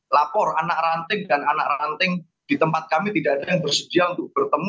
lapor anak ranting dan anak ranting di tempat kami tidak ada yang bersedia untuk bertemu